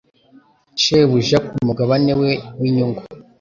Shebuja ku mugabane we w'inyungu